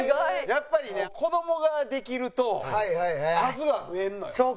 やっぱりね子どもができると数は増えるのよ。